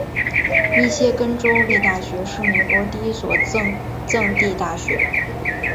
密歇根州立大学是美国第一所赠地大学。